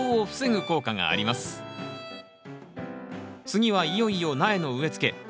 次はいよいよ苗の植えつけ。